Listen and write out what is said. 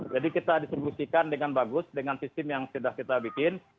kita distribusikan dengan bagus dengan sistem yang sudah kita bikin